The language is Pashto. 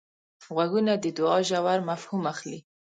غوږونه د دوعا ژور مفهوم اخلي